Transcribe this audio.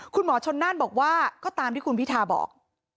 คุณหมอชนน่านบอกว่าก็ตามที่คุณพิทาบอก